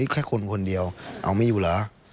แค่คนคนเดียวเอาไม่อยู่เหรอ